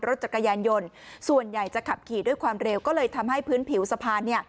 รถจักรยานยนต์ส่วนใหญ่จะขับขี่ด้วยความเร็วก็เลยทำให้พื้นผิวสะพาน